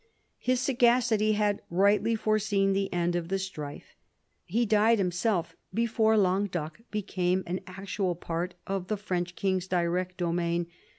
His sagacity had rightly foreseen the end of the strife. He died himself before Languedoc became an actual part of the French king's direct domain.